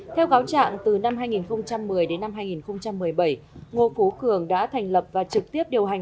theo cáo trạng từ năm hai nghìn một mươi đến năm hai nghìn một mươi bảy ngô phú cường đã thành lập và trực tiếp điều hành